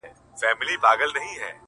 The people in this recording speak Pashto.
خو د سندرو په محل کي به دي ياده لرم,